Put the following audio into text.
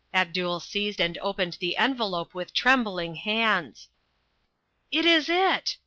Abdul seized and opened the envelope with trembling hands. "It is it!"